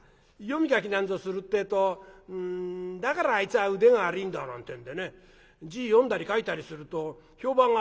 読み書きなんぞするってえと「だからあいつは腕が悪いんだ」なんてんでね字読んだり書いたりすると評判が悪かったりなんかする。